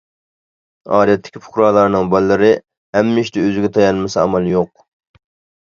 ئادەتتىكى پۇقرالارنىڭ بالىلىرى ھەممە ئىشتا ئۆزىگە تايانمىسا ئامال يوق.